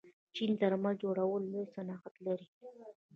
چین د درمل جوړولو لوی صنعت لري.